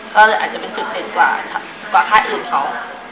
ก็เลยอาจจะเป็นคลุมเดนกว่าคนข้างอื่นเขา